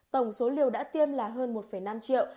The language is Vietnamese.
tổng số liều đã tiêm là hơn một năm triệu